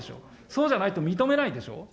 そうじゃないと認めないでしょう。